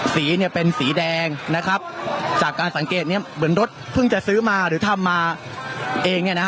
สีเนี่ยเป็นสีแดงนะครับจากการสังเกตเนี่ยเหมือนรถเพิ่งจะซื้อมาหรือทำมาเองเนี่ยนะฮะ